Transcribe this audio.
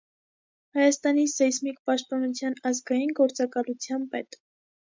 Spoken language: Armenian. Հայաստանի սեյսմիկ պաշտպանության ազգային գործակալության պետ։